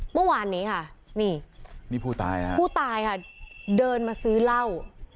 เมื่อวานนี้ค่ะนี่ผู้ตายค่ะเดินมาซื้อเล่า